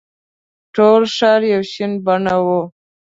ټول ښار یو شین بڼ وو.